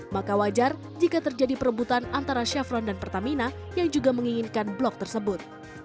maka wajar jika terjadi perebutan antara chevron dan pertamina yang juga menginginkan blok tersebut